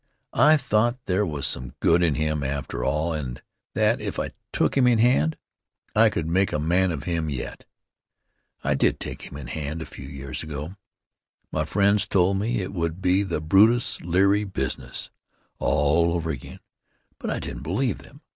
I thought there was some good in him after all and that, if I took him in hand, I could make a man of him yet. I did take him in hand, a few years ago. My friends told me it would be the Brutus Leary business all over again, but I didn't believe them.